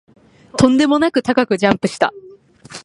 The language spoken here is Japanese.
とんでもなく高くジャンプした